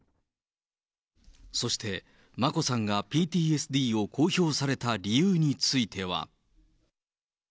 そして、眞子さんがＰＴＳＤを公表された理由については。